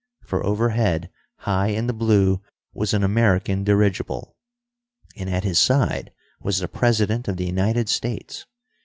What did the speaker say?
For overhead, high in the blue, was an American dirigible. And at his side was the President of the United States.